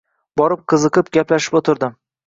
Borib, qiziqib gaplashib o‘tirdim.